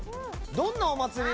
どんなお祭りなの？